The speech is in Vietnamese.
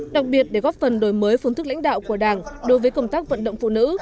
đặc biệt để góp phần đổi mới phương thức lãnh đạo của đảng đối với công tác vận động phụ nữ